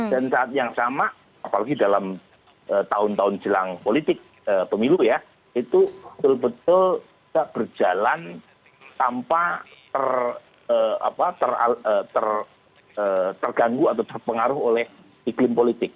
dan saat yang sama apalagi dalam tahun tahun jelang politik pemilu ya itu betul betul tidak berjalan tanpa terganggu atau terpengaruh oleh iklim politik